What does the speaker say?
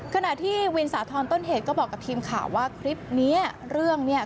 ขณะที่วินสาธรณ์ต้นเหตุก็บอกกับทีมข่าวว่าคลิปนี้เรื่องเนี่ย